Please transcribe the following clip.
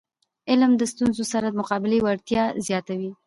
علم د ستونزو سره د مقابلي وړتیا زیاتوي.